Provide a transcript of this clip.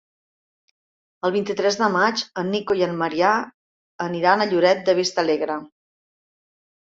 El vint-i-tres de maig en Nico i en Maria aniran a Lloret de Vistalegre.